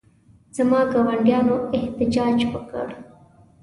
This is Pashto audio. زما ګاونډیانو احتجاج وکړ.